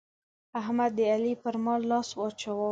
احمد د علي پر مال لاس واچاوو.